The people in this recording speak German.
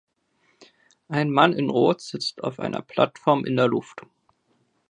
Ein Mann in Rot sitzt auf einer Plattform in der Luft.